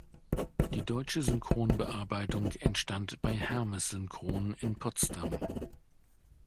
Die deutsche Synchronbearbeitung entstand bei Hermes Synchron in Potsdam.